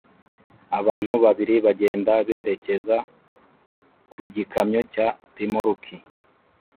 Abantu babiri bagenda berekeza ku gikamyo cya remoruki